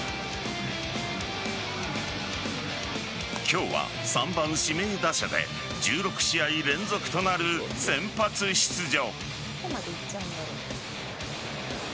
今日は３番・指名打者で１６試合連続となる先発出場。